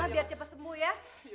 biar cepet sembuh ya